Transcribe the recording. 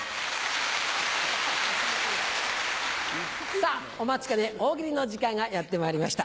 さぁお待ちかね大喜利の時間がやってまいりました。